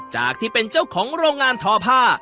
จากที่เป็นเจ้าของโรงงานทอผ้า